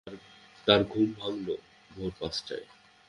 তাঁর ঘুম ভাঙল ভোর পাঁচটায়।